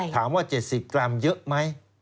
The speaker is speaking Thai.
ถามว่า๗๐กรัมเยอะไหม